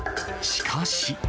しかし。